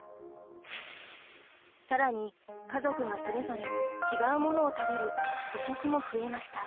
更に家族がそれぞれ違うものを食べる個食も増えました。